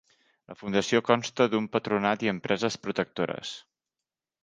La fundació consta d'un Patronat i empreses protectores.